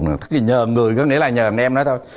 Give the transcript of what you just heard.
nhờ người có nghĩa là nhờ anh em đó thôi